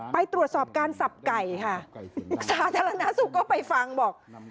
ไปตรวจสอบการสับไก่ค่ะสาธารณสุขก็ไปฟังบอก